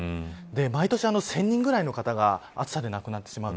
毎年１０００人ぐらいの方が暑さで亡くなってしまう。